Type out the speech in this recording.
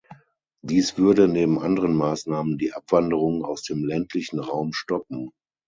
Dies würde, neben anderen Maßnahmen, die Abwanderung aus dem ländlichen Raum stoppen.